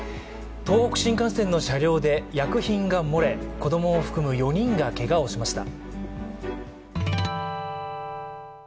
東北新幹線の車両で薬品が漏れ子供を含む４人がけがをしました。